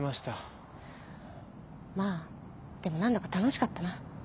まあでも何だか楽しかったな。